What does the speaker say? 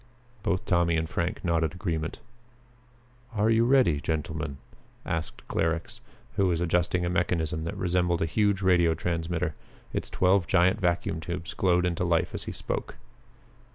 Both Tommy and Frank nodded agreement. "Are you ready, gentlemen?" asked Clarux, who was adjusting a mechanism that resembled a huge radio transmitter. Its twelve giant vacuum tubes glowed into life as he spoke.